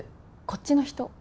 こっちの人？